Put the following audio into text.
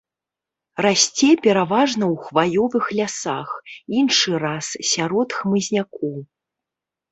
Расце пераважна ў хваёвых лясах, іншы раз сярод хмызняку.